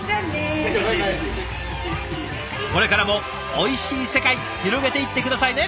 これからもおいしい世界広げていって下さいね。